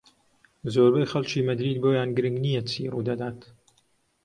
زۆربەی خەڵکی مەدرید بۆیان گرنگ نییە چی ڕوودەدات.